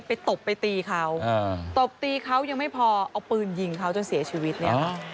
ตบไปตีเขาตบตีเขายังไม่พอเอาปืนยิงเขาจนเสียชีวิตเนี่ยค่ะ